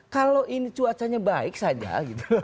kalau ini cuacanya baik saja gitu